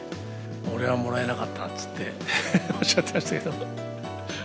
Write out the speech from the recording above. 俺はもらえなかったって言って、おっしゃってましたけど。